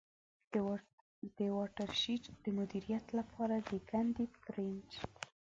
د واټر شید د مدیریت له پاره د کندي Trench.